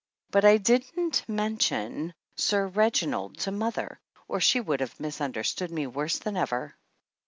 But I didn't mention Sir Reginald to mother, or she would have misun derstood me worse than ever.